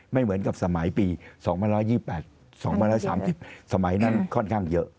ไม่เหมือนกับสมัยปี๒๒๓๐สมัยนั้นค่อนข้างเยอะ